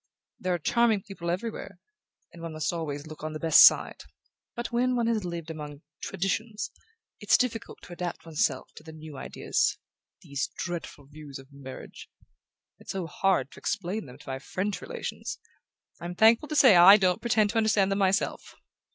"There are charming people everywhere ... and one must always look on the best side ... but when one has lived among Traditions it's difficult to adapt one's self to the new ideas...These dreadful views of marriage ... it's so hard to explain them to my French relations...I'm thankful to say I don't pretend to understand them myself!